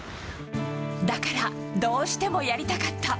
だからどうしてもやりたかった。